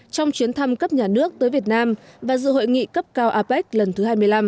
trong chuyến thăm cấp nhà nước tới việt nam và dự hội nghị cấp cao apec lần thứ hai mươi năm